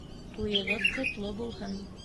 Туйығыҙ ҡотло булһын!